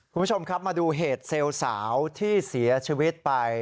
คุณผู้ชมครับมาดูเหตุเซลล์สาวที่เสียชีวิตไป